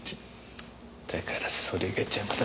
だからそれが邪魔だ